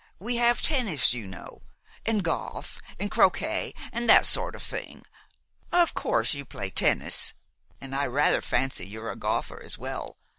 We have tennis, you know, an' golf, an' croquet, an' that sort of thing. Of course, you play tennis, an' I rather fancy you're a golfer as well.